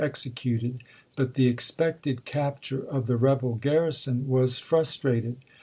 executed, but the expected capture of the rebel garrison was frustrated.